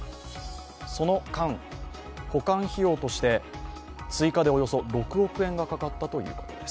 その間、保管費用として追加でおよそ６億円がかかったということです。